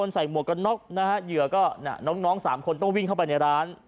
น้องน้อง๓คนต้องวิ่งเข้าไปในร้าน